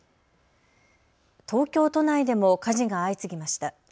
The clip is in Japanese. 東京都内でも火事が相次ぎました。